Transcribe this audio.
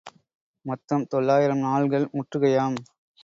மொத்தம் தொள்ளாயிரம் நாள்கள் முற்றுகையாம்.